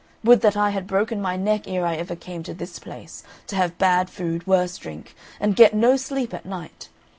Would that I had broken my neck ere I ever came to this place, to have bad food, worse drink, and get no sleep at night!